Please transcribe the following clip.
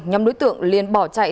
nhóm đối tượng liên bỏ chạy